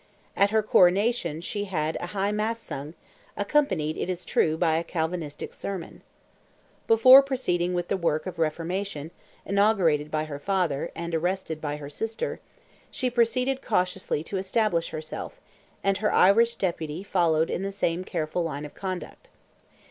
At her coronation she had a High Mass sung, accompanied, it is true, by a Calvinistic sermon. Before proceeding with the work of "reformation," inaugurated by her father, and arrested by her sister, she proceeded cautiously to establish herself, and her Irish deputy followed in the same careful line of conduct.